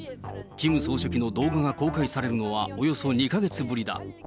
キム総書記の動画が公開されるのは、およそ２か月ぶりだ。